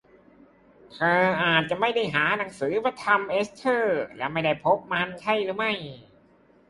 เธออาจจะไม่ได้หาหนังสือพระธรรมเอสเทอร์ และไม่ได้พบมันใช่หรือไม่